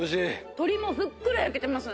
鶏もふっくら焼けてますね。